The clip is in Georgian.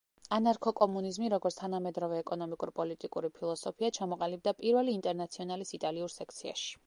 ანარქო-კომუნიზმი, როგორც თანამედროვე ეკონომიკურ-პოლიტიკური ფილოსოფია, ჩამოყალიბდა პირველი ინტერნაციონალის იტალიურ სექციაში.